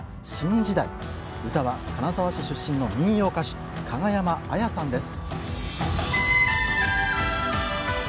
歌は金沢市出身の民謡歌手加賀山紋さんです。